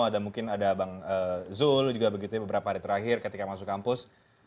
ada mungkin ada bang zul juga begitu ya beberapa hari terakhir ketika masuk kampus